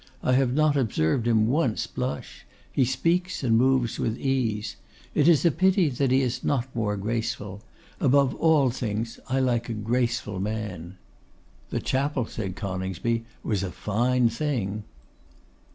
I have not observed him once blush. He speaks and moves with ease. It is a pity that he is not more graceful. Above all things I like a graceful man.' 'That chapel,' said Coningsby, 'was a fine thing.